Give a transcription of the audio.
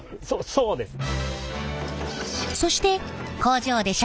そうですね。